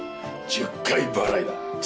１０回払い！